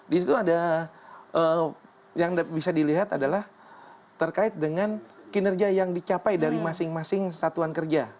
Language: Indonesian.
di situ ada yang bisa dilihat adalah terkait dengan kinerja yang dicapai dari masing masing satuan kerja